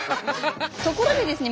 ところでですね